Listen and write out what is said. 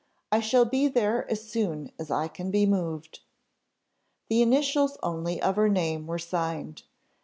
I shall be there as soon as I can be moved." The initials only of her name were signed.